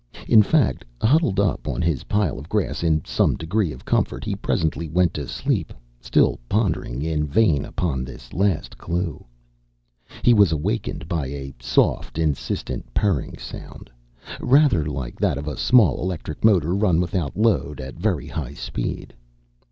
In fact, huddled up on his pile of grass in some degree of comfort, he presently went to sleep, still pondering in vain upon this last clue. He was awakened by a soft, insistent purring sound, rather like that of a small electric motor run without load at very high speed.